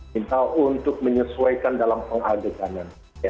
minta untuk menyesuaikan program sinetron yang akan diproduksi maupun yang sedang kejar tayang